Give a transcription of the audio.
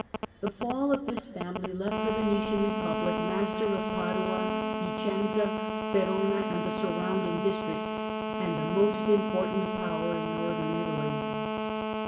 The fall of this family left the Venetian Kepublic master of Padua, Vicenza, Verona and the surrounding districts, and a most important power in Northern Italy.